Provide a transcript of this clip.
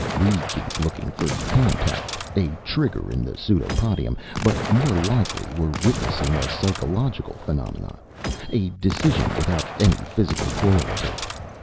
"We keep looking for contact, a trigger in the pseudopodium. But more likely we're witnessing a psychological phenomena, a decision without any physical correlative.